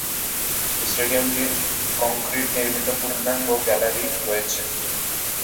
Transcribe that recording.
স্টেডিয়ামটির concrete নির্মিত পূর্নাঙ্গ gallery রয়েছে।